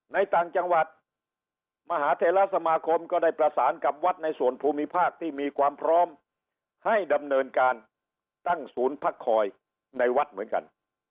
ในต่างจังหวัดมหาเทราสมาคมก็ได้ประสานกับวัดในส่วนภูมิภาคที่มีความพร้อมให้ดำเนินการตั้งศูนย์พักคอยในวัดเหมือนกัน